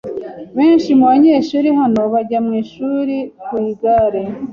Benshi mubanyeshuri hano bajya mwishuri ku igare.